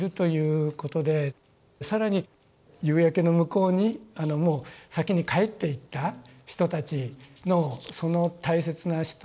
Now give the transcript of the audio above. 更に夕焼けの向こうにもう先に帰っていった人たちのその大切な人